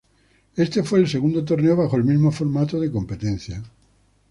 Este fue el segundo torneo bajo el mismo formato de competencia.